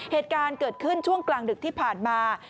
เหตุการณ์เกิดขึ้นช่วงกลางดึกที่ผ่านมา